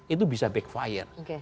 itu bisa backfire